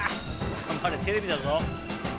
頑張れテレビだぞ。